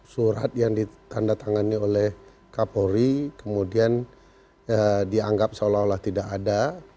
surat yang ditandatangani oleh kapolri kemudian dianggap seolah olah tidak ada